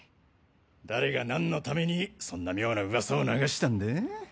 誰が何のためにそんな妙な噂を流したんだ？